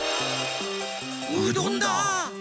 うどんだ！